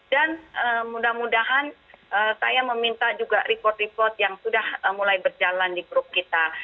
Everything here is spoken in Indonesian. dan mudah mudahan saya meminta juga report report yang sudah mulai berjalan di grup kita